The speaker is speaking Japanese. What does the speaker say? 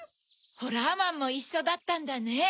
ホラーマンもいっしょだったんだね。